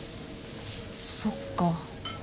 そっか。